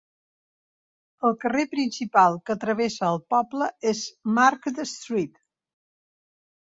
El carrer principal que travessa el poble és Market Street.